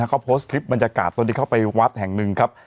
เขาโพสต์คลิปบรรยากาศตอนที่เข้าไปวัดแห่งหนึ่งครับ